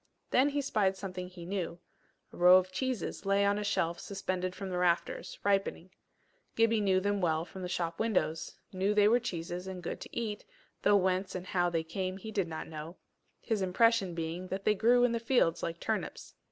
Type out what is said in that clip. Then he spied something he knew; a row of cheeses lay on a shelf suspended from the rafters, ripening. Gibbie knew them well from the shop windows knew they were cheeses, and good to eat, though whence and how they came he did not know, his impression being that they grew in the fields like the turnips.